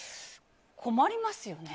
困りますよね。